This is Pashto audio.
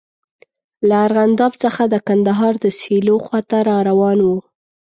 له ارغنداب څخه د کندهار د سیلو خواته را روان وو.